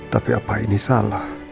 tapi apa ini salah